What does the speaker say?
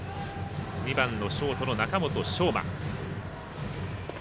２番のショート中本翔真。